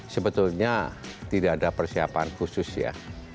sebetulnya tidak ada persiapan khusus ya